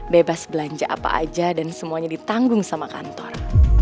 bebas belanja apa aja dan semuanya ditanggung sama kantor